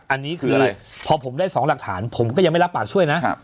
อันนี้คืออะไรพอผมได้๒หลักฐานผมก็ยังไม่รับปากช่วยนะ